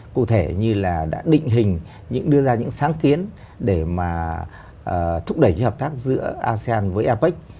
cụ thể như là đã định hình đưa ra những sáng kiến để mà thúc đẩy hợp tác giữa asean với apec